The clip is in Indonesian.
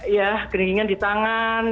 ya genging gingingan di tangan